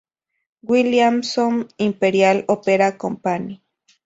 Williamson Imperial Opera Company".